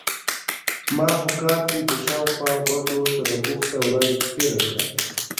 ما په کار کې د شا او خوا غونډو سره بوخته ورځ تیره کړه.